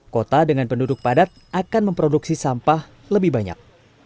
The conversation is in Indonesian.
kota dengan penduduk padat akan memproduksi sampah lebih banyak